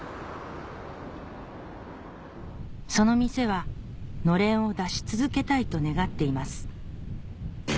その店は暖簾を出し続けたいと願っています